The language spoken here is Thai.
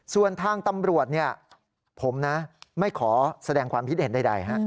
ส่วนทางตำรวจเนี่ยผมนะไม่ขอแสดงความคิดเห็นใด